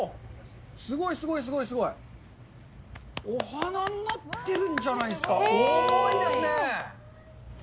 すごい、すごい、すごい。お花になってるんじゃないですか、重いですね。